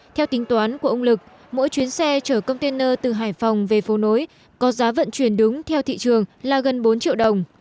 theo tính toán của ông lực mỗi chuyến xe chở container từ hải phòng về phố nối có giá vận chuyển đúng theo thị trường là gần bốn triệu đồng